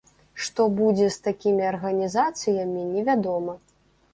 Што будзе з такімі арганізацыямі невядома.